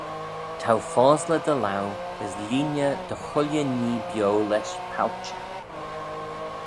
T'ou fosley dty laue: as lhieeney dy chooilley nhee bio lesh palchey.